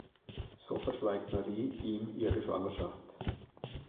So verschweigt Marie ihm ihre Schwangerschaft.